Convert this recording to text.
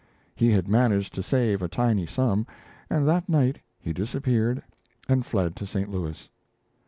He had managed to save a tiny sum, and that night he disappeared and fled to St Louis.